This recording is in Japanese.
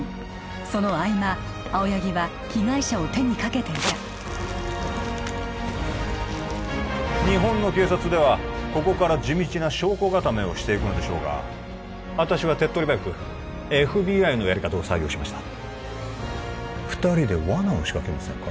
その合間青柳は被害者を手にかけていた日本の警察ではここから地道な証拠固めをしていくのでしょうが私は手っとり早く ＦＢＩ のやり方を採用しました二人でわなを仕掛けませんか？